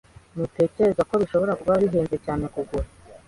Ntutekereza ko bishobora kuba bihenze cyane kugura? (